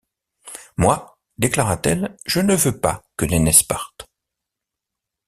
Moi, déclara-t-elle, je ne veux pas que Nénesse parte...